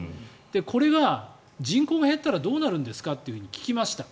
これが人口が減ったらどうなるんですかと聞きました。